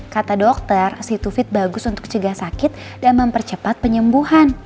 kata dokter c to fit bagus untuk cegah sakit dan mempercepat penyembuhan